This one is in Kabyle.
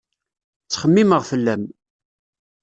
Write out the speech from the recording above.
Ttxemmimeɣ fell-am